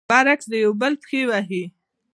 برعکس، د يو بل پښې وهي.